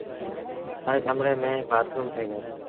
هر ڪمري ميݩ بآٿروم ٺهيٚل اهي۔